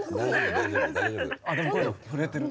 あっでも声が震えてる。